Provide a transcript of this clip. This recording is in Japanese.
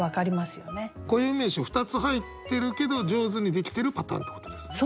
固有名詞２つ入ってるけど上手にできてるパターンってことですね。